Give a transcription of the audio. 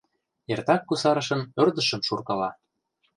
Эртак кусарышын ӧрдыжшым шуркала.